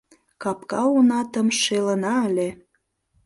Капка онатым шелына ыле.